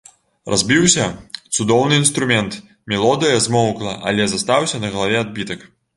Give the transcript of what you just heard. Разбіўся цудоўны інструмент, мелодыя змоўкла, але застаўся на галаве адбітак.